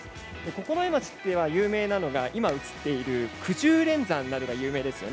九重町というのは有名なのが今映っているくじゅう連山などが有名です。